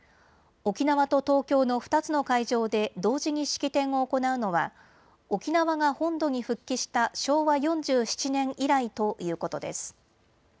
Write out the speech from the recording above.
沖縄と東京の２つの会場で同時に式典を行うのは沖縄が本土に復帰した昭和４７年以来ということです。